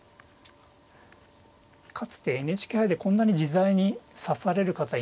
かつてＮＨＫ杯でこんなに自在に指される方いましたかね。